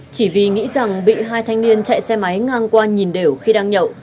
chỉ vì nghĩ rằng bị hai thanh niên chạy xe máy ngang qua nhìn đều khi đang nhậu